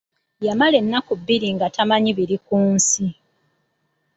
Yamala ennaku bbiri nga tamanyi biri ku nsi.